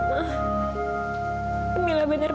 apa yang harus mila lakukan sekarang